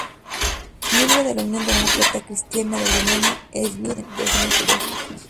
Miembro de la Unión Demócrata Cristiana de Alemania, es viuda y tiene dos hijos.